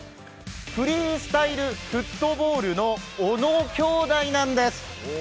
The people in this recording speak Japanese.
フリースタイルフットボールの小野兄弟なんです。